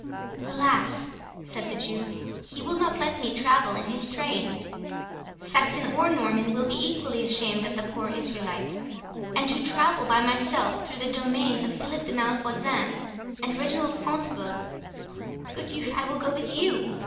"Alas!" said the Jew, "he will not let me travel in his train—Saxon or Norman will be equally ashamed of the poor Israelite; and to travel by myself through the domains of Philip de Malvoisin and Reginald Front de Bœuf—Good youth, I will go with you!